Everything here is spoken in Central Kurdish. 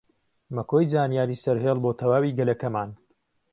مەکۆی زانیاری سەرهێڵ بۆ تەواوی گەلەکەمان